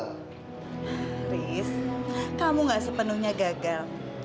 haris kamu nggak sepenuhnya gagal